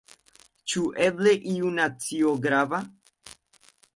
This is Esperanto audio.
Ĉu eble iu nacio grava?